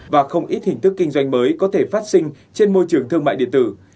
và không ít hình thức kinh doanh mới có thể phát sinh trên môi trường thương mại điện tử